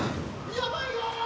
やばいよ！